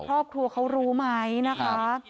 ครอบครัวเขารู้ไหมนะคะ